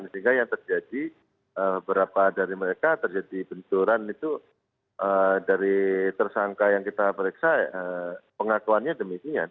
sehingga yang terjadi beberapa dari mereka terjadi benturan itu dari tersangka yang kita periksa pengakuannya demikian